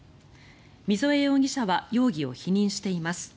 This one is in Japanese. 溝江容疑者は容疑を否認しています。